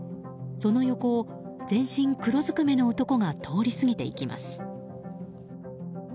その横を全身黒ずくめの男が通り過ぎていきます。